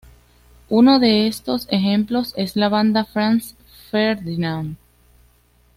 Uno de estos ejemplos es la banda Franz Ferdinand.